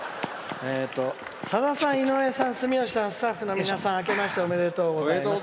「さださん、井上さん、住吉さんスタッフの皆さんあけましておめでとうございます。